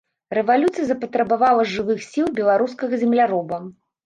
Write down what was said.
Рэвалюцыя запатрабавала жывых сіл беларускага земляроба.